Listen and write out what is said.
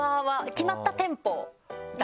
決まった店舗？